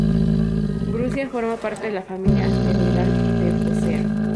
Brucia forma parte de la familia asteroidal de Focea.